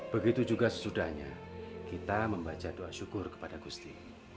begitu juga sesudahnya kita membaca doa syukur kepada gusti